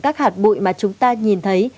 các hạt bụi mà chúng ta nhìn thấy